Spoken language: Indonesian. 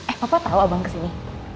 eh papa tau abang kesini